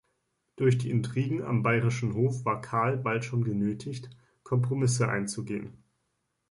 Durch die Intrigen am bayerischen Hof war Carl bald schon genötigt, Kompromisse einzugehen.